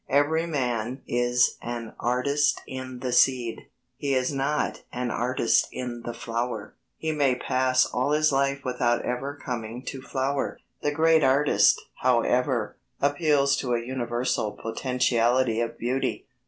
Every man is an artist in the seed: he is not an artist in the flower. He may pass all his life without ever coming to flower. The great artist, however, appeals to a universal potentiality of beauty.